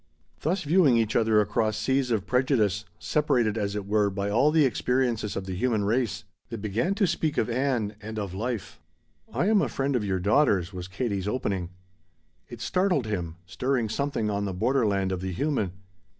Thus viewing each other across seas of prejudice, separated, as it were, by all the experiences of the human race, they began to speak of Ann and of life. "I am a friend of your daughter's," was Katie's opening. It startled him, stirring something on the borderland of the human.